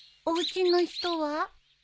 おうちの人は？